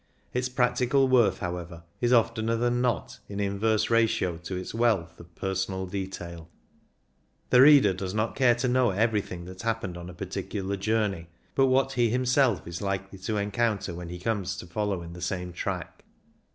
Its practical worth, however, is oftener than not in inverse ratio to its wealth of personal 62 THE FLUEI^A 53 detail. The reader does not care to know everything that happened on a particular journey, but what he himself is likely to encounter when he comes to follow in the same track.